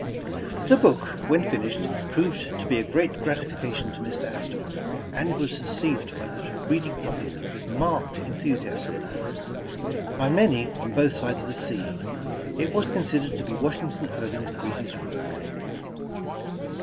The book, when finished, proved to be a great gratifi cation to Mr. Astor, and was received by the reading public with marked enthusiasm. By many, on both sides of the sea, it was considered to be Washington Irving 's greatest work.